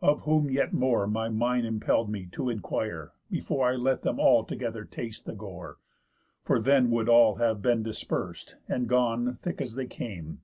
Of whom yet more My mind impell'd me to inquire, before I let them all together taste the gore, For then would all have been dispers'd, and gone Thick as they came.